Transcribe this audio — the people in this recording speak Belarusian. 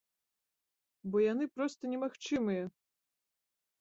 Бо яны проста немагчымыя!